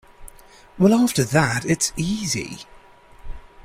Well, after that it's easy.